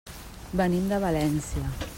Venim de València.